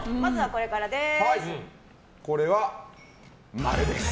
これは、○です。